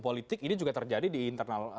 politik ini juga terjadi di internal